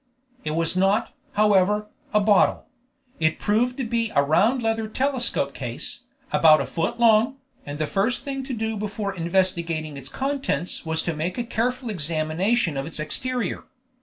It was not, however, a bottle; it proved to be a round leather telescope case, about a foot long, and the first thing to do before investigating its contents was to make a careful examination of its exterior.